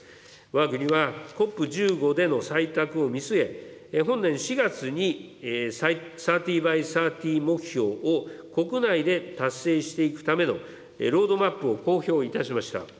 わが国はＣＯＰ１５での採択を見据え、本年４月にサーティ・バイ・サーティ目標を国内で達成していくためのロードマップを公表いたしました。